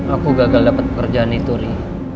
aku gagal dapat pekerjaan di turi